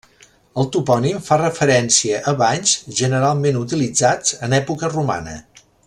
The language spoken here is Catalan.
El topònim fa referència a banys, generalment utilitzats en època romana.